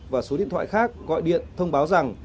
và số điện thoại khác gọi điện thông báo rằng